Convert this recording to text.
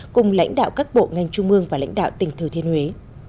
cùng lãnh đạo các bộ ngành trung mương và lãnh đạo tỉnh thừa thiên huế